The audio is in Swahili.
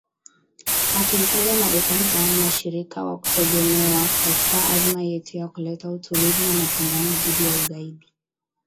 Akiitaja Marekani kama mshirika wa kutegemewa katika azma yetu ya kuleta utulivu na mapambano dhidi ya ugaidi.